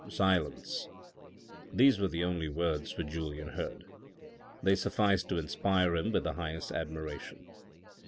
Silence !" These were the only words which Julien heard. They sufficed to inspire him with the highest admiration.